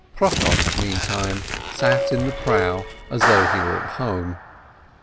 Prokop meantime sat in the prow as though he were at home.